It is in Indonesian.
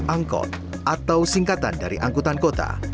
angkot atau singkatan dari angkutan kota